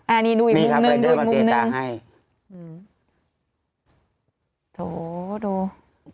อ่านี่ดูอีกมุมนึงดูอีกมุมนึงนี่ครับรายเดอร์เป็นคนเจรจาให้